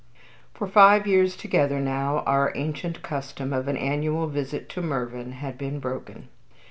For five years together now our ancient custom of an annual visit to Mervyn had been broken.